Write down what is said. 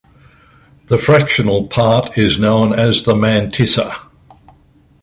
The fractional part is known as the mantissa.